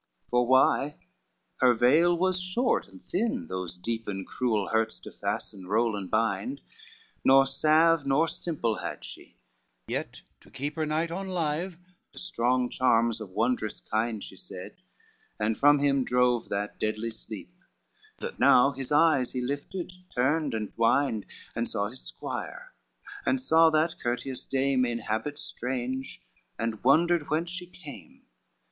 CXIII For why her veil was short and thin, those deep And cruel hurts to fasten, roll and blind, Nor salve nor simple had she, yet to keep Her knight on live, strong charms of wondrous kind She said, and from him drove that deadly sleep, That now his eyes he lifted, turned and twined, And saw his squire, and saw that courteous dame In habit strange, and wondered whence she came.